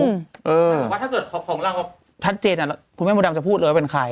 แต่ว่าถ้าเกิดของเราชัดเจนคุณแม่มดดำจะพูดเลยว่าเป็นใคร